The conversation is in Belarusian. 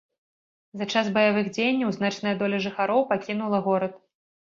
За час баявых дзеянняў значная доля жыхароў пакінула горад.